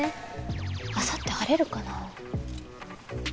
あさって晴れるかなあ？